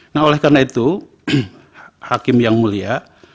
nah oleh karena itu hakim yang mulia